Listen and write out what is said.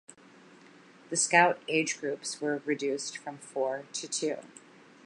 The Scout age groups were reduced from four to two.